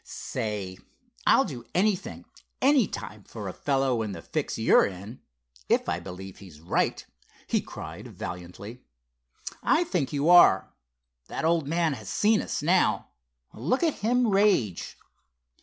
"Say, I'll do anything, any time, for a fellow in the fix you're in, if I believe he's right!" he cried valiantly. "I think you are. That old man has seen us now. Look at him rage."